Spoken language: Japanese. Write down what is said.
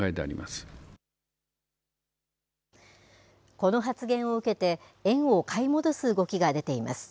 この発言を受けて、円を買い戻す動きが出ています。